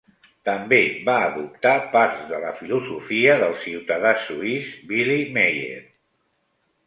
També va adoptar parts de la filosofia del ciutadà suís Billy Meier.